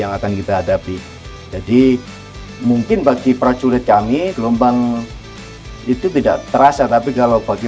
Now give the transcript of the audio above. yang akan kita hadapi jadi mungkin bagi prajurit kami gelombang itu tidak terasa tapi kalau bagi